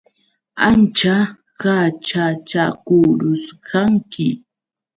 Ancha qaćhachakurusqanki.